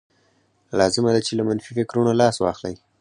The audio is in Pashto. لازمه ده چې له منفي فکرونو لاس واخلئ.